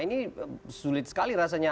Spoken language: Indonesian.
ini sulit sekali rasanya